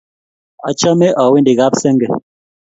Achame awendi kap senge